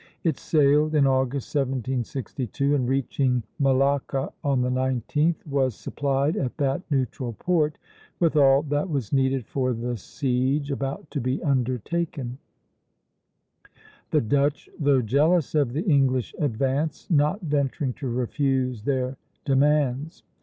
It sailed in August, 1762, and reaching Malacca on the 19th, was supplied at that neutral port with all that was needed for the siege about to be undertaken; the Dutch, though jealous of the English advance, not venturing to refuse their demands.